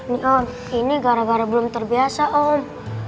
nih om ini gara gara belum terbiasa om